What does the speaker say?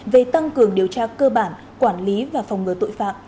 về tăng cường điều tra cơ bản quản lý và phòng ngừa tội phạm